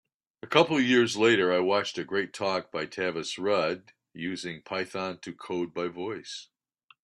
A couple years later I watched a great talk by Tavis Rudd, Using Python to Code by Voice.